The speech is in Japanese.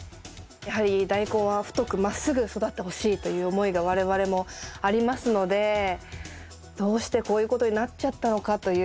やはりダイコンは太くまっすぐ育ってほしいという思いが我々もありますのでどうしてこういうことになっちゃったのかという。